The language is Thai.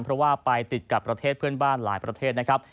เพราะว่าไปติดกับประเทศเพื่อนบ้านหลายประเทศนะครับ